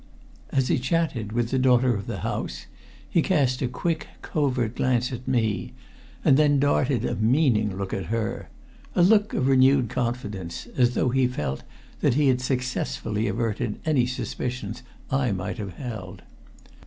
As he chatted with the daughter of the house, he cast a quick, covert glance at me, and then darted a meaning look at her a look of renewed confidence, as though he felt that he had successfully averted any suspicions I might have held.